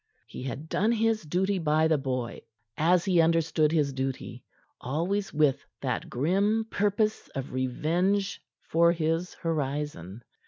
He had done his duty by the boy as he understood his duty, always with that grim purpose of revenge for his horizon.